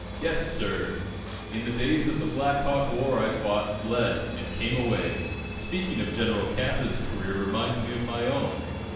Yes, sir, in the days of the Black Hawk war I fought, bled, and came away. Speaking of General Cass's career reminds me of my own.